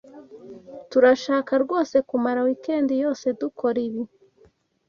Turashaka rwose kumara weekend yose dukora ibi?